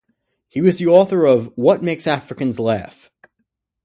He was the author of "what makes Africans Laugh".